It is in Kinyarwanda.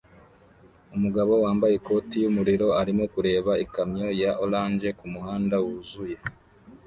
Umugabo wambaye ikoti yumuriro arimo kureba ikamyo ya orange kumuhanda wuzuye